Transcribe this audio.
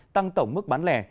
tăng tổng mức bán lẻ